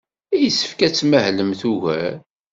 Yessefk ad tmahlemt ugar.